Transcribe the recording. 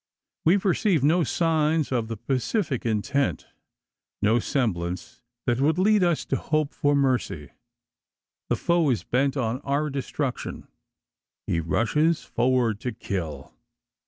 We perceive no signs of a pacific intent no semblance that would lead us to hope for mercy. The foe is bent on our destruction. He rushes forward to kill!